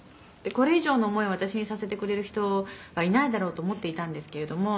「これ以上の思いを私にさせてくれる人はいないだろうと思っていたんですけれども」